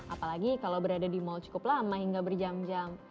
apalagi kalau berada di mal cukup lama hingga berjam jam